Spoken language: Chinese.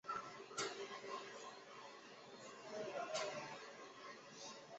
明代宗朱祁钰。